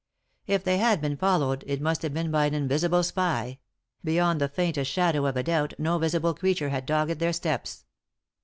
If they had been followed it must have been by an invisible spy ; beyond the faintest shadow of a doubt no visible creature had dogged their steps.